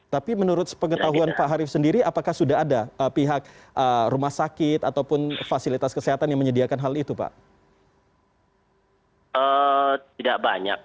tapi menurut pengetahuan pak harif sendiri apakah sudah ada pihak rumah sakit ataupun fasilitas kesehatan yang menyediakan hal itu pak